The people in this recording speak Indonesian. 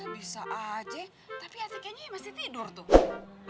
bisa aja tapi atikehnya masih tidur tuh